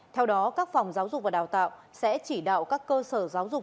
theo đó các phòng giáo dục và đào tạo sẽ chỉ đạo các cơ sở giáo dục